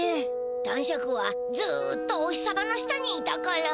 男爵はずっとお日様の下にいたから。